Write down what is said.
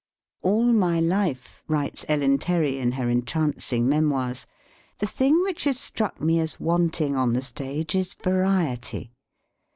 "All my life," writes Ellen Terry, in her entrancing memoirs, "the thing which has struck me as wanting on the stage is variety.